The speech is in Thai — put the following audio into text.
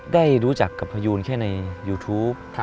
ได้รู้จักกับพยูนแค่ในยูทูป